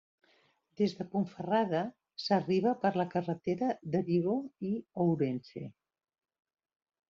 Des de Ponferrada s'arriba per la carretera de Vigo i Ourense.